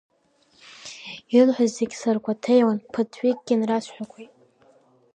Илҳәоз зегьы саргәаҭеиуан, ԥыҭҩыкгьы инрасҳәақәеит.